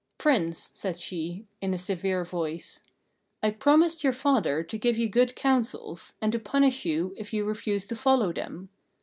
"Prince," said she, in a severe voice, "I promised your father to give you good counsels, and to punish you if you refused to follow them.